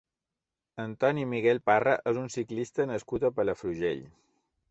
Antoni Miguel Parra és un ciclista nascut a Palafrugell.